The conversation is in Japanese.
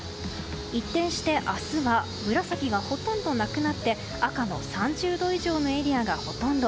一転して、明日は紫がほとんどなくなって赤の３０度以上のエリアがほとんど。